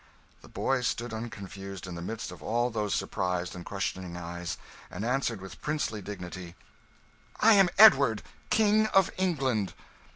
The boy stood unconfused in the midst of all those surprised and questioning eyes, and answered with princely dignity "I am Edward, King of England."